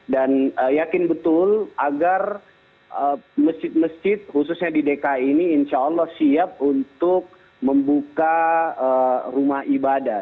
dan yakin betul agar masjid masjid khususnya di dki ini insya allah siap untuk membuka rumah ibadah